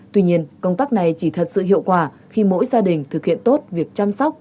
tuy nhiên công tác này chỉ thật sự hiệu quả khi mỗi gia đình thực hiện tốt việc chăm sóc